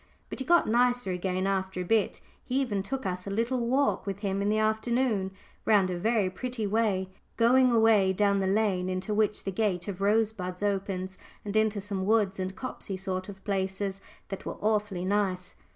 But he got nicer again after a bit. He even took us a little walk with him in the afternoon, round a very pretty way, going away down the lane into which the gate of Rosebuds opens, and into some woods and copsey sort of places that were awfully nice.